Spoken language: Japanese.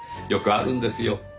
よくあるんですよ